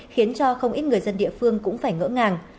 khiến cho không ít người dân địa phương cũng phải ngỡ ngàng